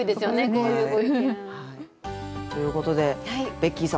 こういうご意見。ということでベッキーさん